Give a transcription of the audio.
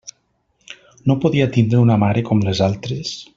No podia tindre una mare com les altres?